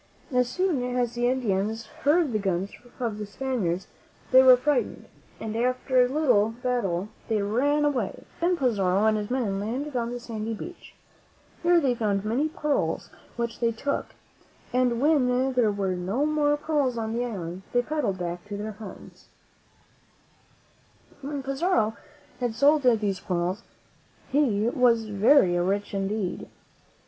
As soon as the In dians heard the guns of the Spaniards they were frightened, and after a little battle they ran away. Then Pizarro and his men landed on the sandy beach. Here they found many pearls, which they took, and when there were no more pearls on the island, they paddled back to their homes. '/,^%. I.;i>!'.x^ MEN WHO FOUND AMERICA ,^1 wnmm &nni 'S^' when Pizarro had sold these pearls he was very rich indeed.